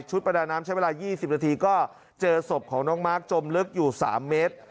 ประดาน้ำใช้เวลา๒๐นาทีก็เจอศพของน้องมาร์คจมลึกอยู่๓เมตร